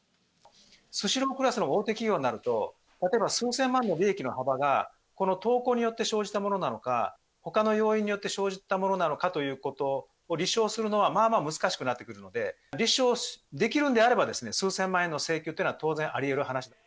スシロークラスの大手企業になると、例えば数千万の利益の幅が、この投稿によって生じたものなのか、ほかの要因によって生じたものなのかということを立証するのは、まあまあ難しくなってくるので、立証できるんであれば、数千万円の請求っていうのは当然、ありうる話だと。